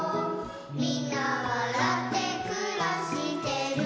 「みんなわらってくらしてる」